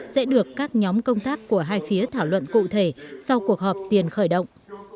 sẽ được các nhóm công tác của hai phía thảo luận cụ thể sau cuộc họp tiền khởi động